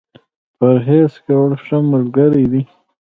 پرهېز کول ، ښه ملګری دی.